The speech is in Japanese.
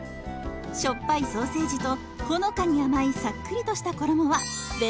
しょっぱいソーセージとほのかに甘いさっくりとした衣はベストマッチ！